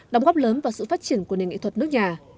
đóng góp lớn vào sự phát triển của nền nghệ thuật nước nhà